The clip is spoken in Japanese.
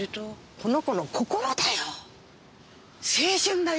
この子の心だよ！